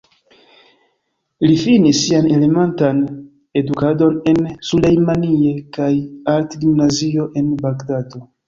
li finis sian elementan edukadon en Sulejmanie kaj art-gimnazio, en Bagdado.